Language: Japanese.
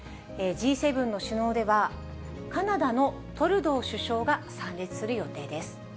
Ｇ７の首脳では、カナダのトルドー首相が参列する予定です。